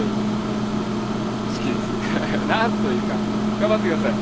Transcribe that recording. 頑張ってください。